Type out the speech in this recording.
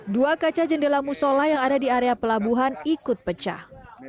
dua kaca jendela musola yang ada di area pelabuhan ikut pecah